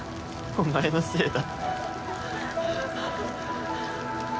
お前のせいだ！